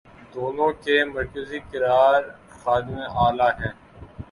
دونوں کے مرکزی کردار خادم اعلی ہیں۔